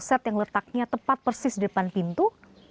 kloser yang letaknya tepat persis di depan pintu